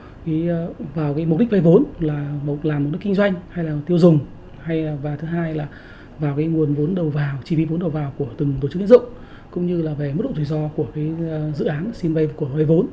không phụ thuộc vào mục đích vay vốn là làm mục đích kinh doanh hay là tiêu dùng hay là vào thứ hai là vào cái nguồn vốn đầu vào chi phí vốn đầu vào của từng tổ chức dân dụng cũng như là về mức độ thủy do của cái dự án xin vay của vay vốn